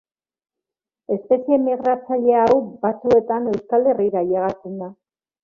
Espezie migratzaile hau batzuetan Euskal Herrira ailegatzen da.